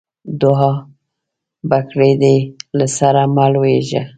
دوعا؛ بګړۍ دې له سره مه لوېږه.